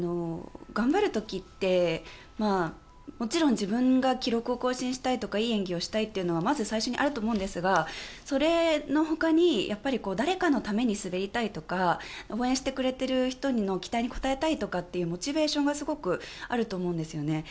頑張る時って、もちろん自分が記録を更新したいとかいい演技をしたいというのはまず最初にあると思うんですがそれのほかに誰かのために滑りたいとか応援してくれてる人の期待に応えたいというモチベーションがすごくあると思うんですよね。